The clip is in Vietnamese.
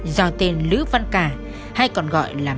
do tên lữ văn cả hay còn gọi là